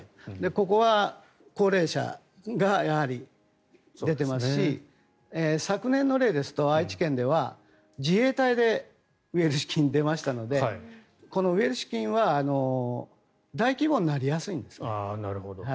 ここは高齢者がやはり出てますし昨年の例ですと、愛知県では自衛隊でウエルシュ菌、出ましたのでこのウエルシュ菌は大規模になりやすいんです。